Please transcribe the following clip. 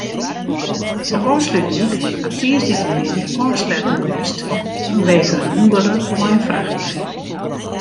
De Ofslútdyk hat tiisdeitemiddei ôfsletten west fanwegen in ûngelok mei in frachtwein.